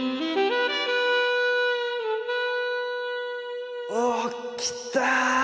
心の声おっ来た！